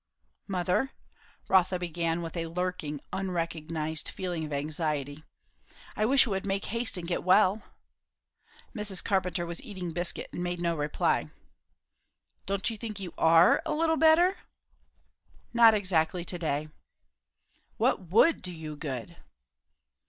"Mother," Rotha began, with a lurking, unrecognized feeling of anxiety "I wish you would make haste and get well!" Mrs. Carpenter was eating biscuit, and made no reply. "Don't you think you are a little better?" "Not exactly to day." "What would do you good?"